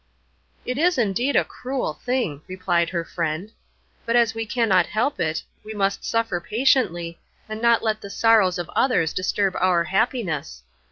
"It is indeed a cruel thing," replied her friend; "but as we cannot help it, we must suffer patiently, and not let the sorrows of others disturb our happiness.